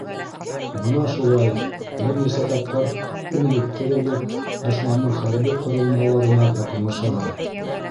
Бына шулай бер нисә тапҡыр «үлеп-терелеп», дошмандың хәрби ҡоролмаларына яҡынлашалар.